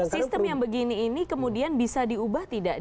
sistem yang begini ini kemudian bisa diubah tidak